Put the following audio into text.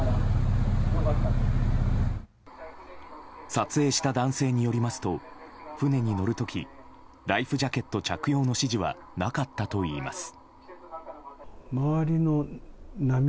撮影した男性によると船に乗る時ライフジャケット着用の指示はなかったといいます。